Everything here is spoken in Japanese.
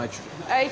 はい。